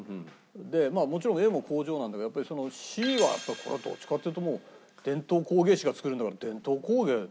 まあもちろんＡも工場なんだけどやっぱりＣはどっちかっていうともう伝統工芸士が作るんだから伝統工芸だよね。